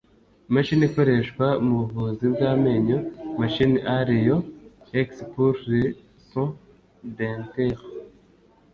imashini ikoreshwa mu buvuzi bw’amenyo (machine à rayon X pour les soins dentaires)